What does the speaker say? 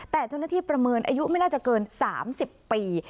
แต่เจ้าหน้าที่ประเมินอายุไม่น่าจะเกิน๓๐ปี